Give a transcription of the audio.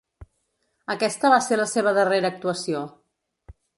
Aquesta va ser la seva darrera actuació.